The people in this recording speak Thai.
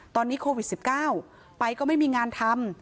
ตอนนี้โควิด๑๙ไปก็ไม่มีงานทำ